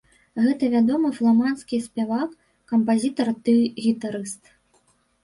Гэта вядомы фламандскі спявак, кампазітар ды гітарыст.